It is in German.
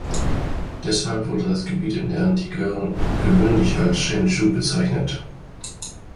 Deshalb wurde das Gebiet in der Antike gewöhnlich als „Chen Chu“ bezeichnet.